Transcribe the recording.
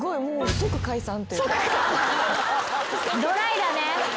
ドライだね。